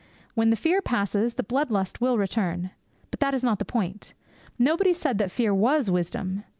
When the fear passes, the blood lust will return. But that is not the point. Nobody said that fear was wisdom.